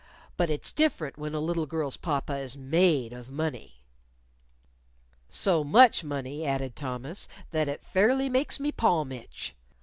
But it's different when a little girl's papa is made of money." "So much money," added Thomas, "that it fairly makes me palm itch."